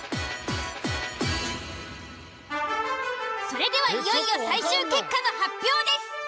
それではいよいよ最終結果の発表です。